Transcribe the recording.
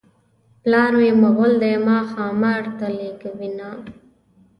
پلار مې مغل دی ما ښامار ته لېږي مینه.